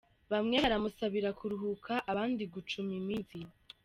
Bamwe baramusabira kuruhuka abandi gucuma iminsi.